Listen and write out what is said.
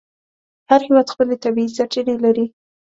هر هېواد خپلې طبیعي سرچینې لري.